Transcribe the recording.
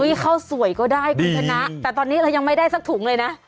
ข้าวสวยก็ได้คุณชนะแต่ตอนนี้เรายังไม่ได้สักถุงเลยนะ